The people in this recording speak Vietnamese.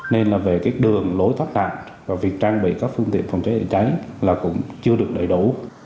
nên là về cái đường lối thoát nạn và việc trang bị các phương tiện phòng cháy chữa cháy là cũng chưa được đầy đủ